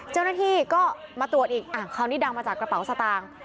เจ้าหน้าที่ก็มาตรวจอีกคราวนี้ดังมาจากกระเป๋าสตางค์